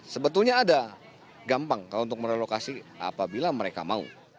sebetulnya ada gampang kalau untuk merelokasi apabila mereka mau